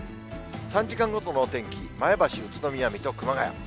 ３時間ごとのお天気、前橋、宇都宮、水戸、熊谷。